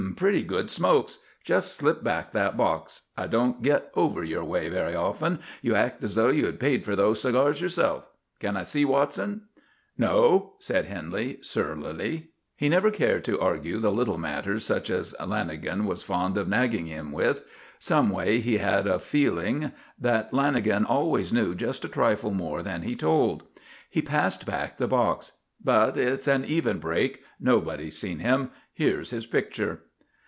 Pretty good smokes. Just slip back that box. I don't get over your way very often. You act as though you had paid for those cigars yourself. Can I see Watson?" "No," said Henley, surlily. He never cared to argue the little matters such as Lanagan was fond of nagging him with; some way he had a feeling that Lanagan always knew just a trifle more than he told. He passed back the box. "But it's an even break. Nobody's seen him. Here's his picture."